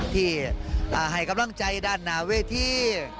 ที่ให้กำลังใจด้านหน้าเวที